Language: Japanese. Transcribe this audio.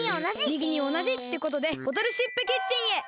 みぎにおなじ！ってことでボトルシップキッチンへ。